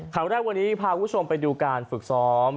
ข่าวแรกวันนี้พาคุณผู้ชมไปดูการฝึกซ้อม